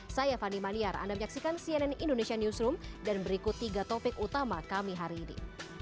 saya fani maniar anda menyaksikan cnn indonesia newsroom dan berikut tiga topik utama kami hari ini